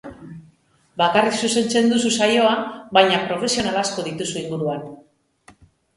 Bakarrik zuzentzen duzu saioa, baina profesional asko dituzu inguruan.